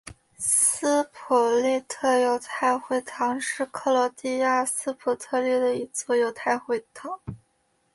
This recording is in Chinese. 斯普利特犹太会堂是克罗地亚斯普利特的一座犹太会堂。